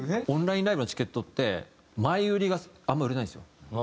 オンラインライブのチケットって前売りがあんまり売れないんですよ。